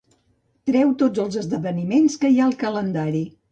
Treu tots els esdeveniments que hi ha al calendari.